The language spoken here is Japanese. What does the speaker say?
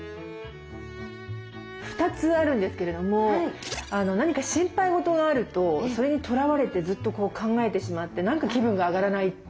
２つあるんですけれども何か心配事があるとそれにとらわれてずっとこう考えてしまって何か気分が上がらない。